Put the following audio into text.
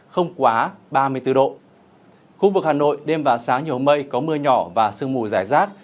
khu vực hà nội đêm và sáng nhiều mây có mưa nhỏ và sương mùi rải rác